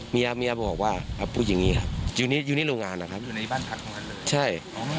อ๋อไม่แปลว่าพักเป็นคนทำรอกัน